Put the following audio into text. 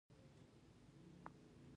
د ودانیو جوړول په معیاري توګه ترسره کیږي.